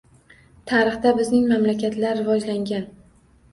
Tarixda bizning mamlakatlar rivojlangan.